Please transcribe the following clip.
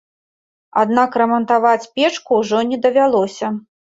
Аднак рамантаваць печку ўжо не давялося.